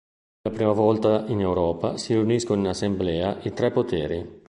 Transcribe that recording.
Per la prima volta in Europa si riuniscono in assemblea i tre poteri.